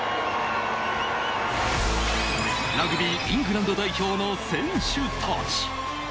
ラグビー・イングランド代表の選手たち。